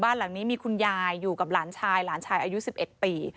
บ้านหลังนี้มีคุณยายอยู่กับหลานชายหลานชายอายุ๑๑ปี